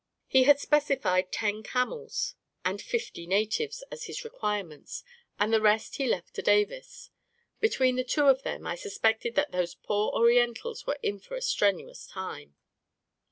He had specified ten camels and 4 8 A KING IN BABYLON fifty natives as his requirements, and the rest he left to Davis. Between the two of them, I sus pected that those poor Orientals were in for a strenuous time